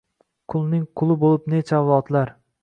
Qulning quli boʻlib necha avlodlar